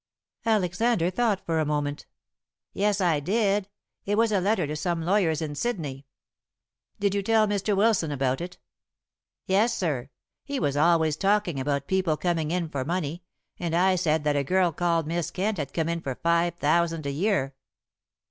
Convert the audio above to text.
Alexander thought for a moment. "Yes, I did. It was a letter to some lawyers in Sydney." "Did you tell Mr. Wilson about it?" "Yes, sir. He was always talking about people coming in for money, and I said that a girl called Miss Kent had come in for five thousand a year."